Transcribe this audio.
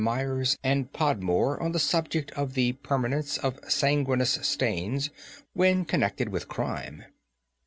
Myers and Podmore on the subject of the Permanence of Sanguineous Stains when connected with Crime.